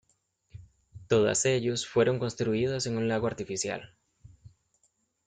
Todas ellos fueron construidas en un lago artificial.